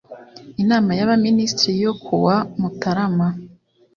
Inama y Abaminisitiri yo kuwa Mutarama